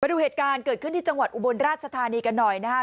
ดูเหตุการณ์เกิดขึ้นที่จังหวัดอุบลราชธานีกันหน่อยนะฮะ